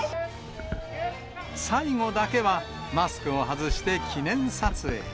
最後だけは、マスクを外して記念撮影。